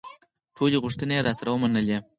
ټولې غوښتنې یې راسره ومنلې.